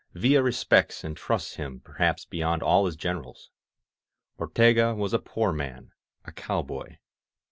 Villa respects and trusts him perhaps beyond all his Generals. Ortega was a poor man, a cowboy.